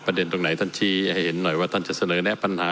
ตรงไหนท่านชี้ให้เห็นหน่อยว่าท่านจะเสนอแนะปัญหา